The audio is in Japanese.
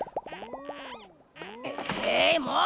えいもう！